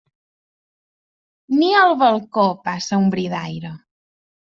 Ni al balcó passa un bri d'aire.